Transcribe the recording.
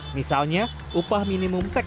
ini beliau melakukan hal yang tidak menarik